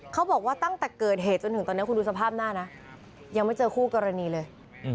เขาบอกว่าตั้งแต่เกิดเหตุจนถึงตอนนี้คุณดูสภาพหน้านะยังไม่เจอคู่กรณีเลย